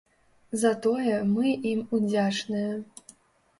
За тое мы ім удзячныя.